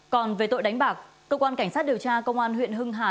còn về tội đánh bạc cơ quan cảnh sát điều tra công an huyện hưng hà